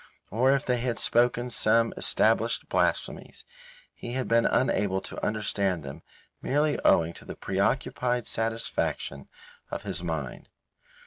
Or if they had spoken some established blasphemies, he had been unable to understand them merely owing to the preoccupied satisfaction of his mind.